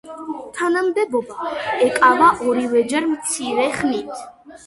თანამდებობა ეკავა ორივეჯერ მცირე ხნით.